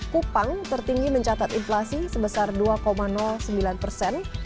kupang tertinggi mencatat inflasi sebesar dua sembilan persen